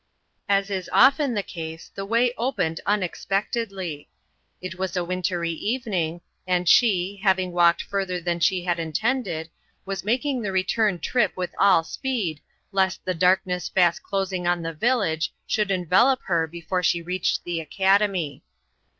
As is often the case, the way opened un expectedly. It was a wintry evening, and she, having walked further than she had intended, was making the return trip with all speed, lest the darkness fast closing on the village, should envelop her before she reached the academy.